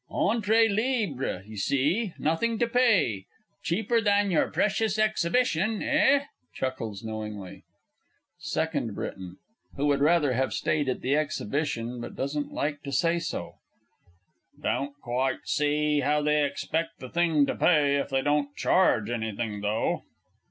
Entrée libre, you see; nothing to pay! Cheaper than your precious Exhibition, eh? [Chuckles knowingly. SECOND BRITON (who would rather have stayed at the Exhibition but doesn't like to say so). Don't quite see how they expect the thing to pay if they don't charge anything, though.